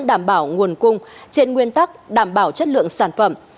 đảm bảo nguồn cung trên nguyên tắc đảm bảo chất lượng sản phẩm